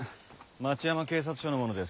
町山警察署の者です。